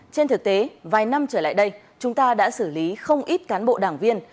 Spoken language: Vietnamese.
trên thực tế vài năm trở lại đây chúng ta đã xử lý không ít cán bộ đảng viên